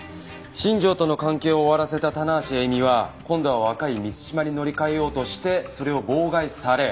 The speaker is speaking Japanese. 新庄との関係を終わらせた棚橋詠美は今度は若い満島に乗り換えようとしてそれを妨害され。